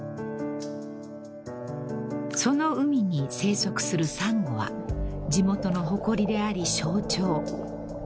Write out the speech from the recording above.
［その海に生息するサンゴは地元の誇りであり象徴］